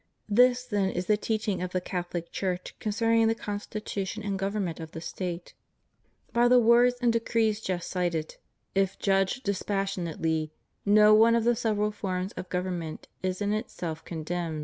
This then is the teaching of the Catholic Church con cerning the constitution and government of the State. By the words and decrees just cited, if judged dispas sionately, no one of the several forms of government is in itself condemned, inasmuch as none of them contain Prop, xxxix.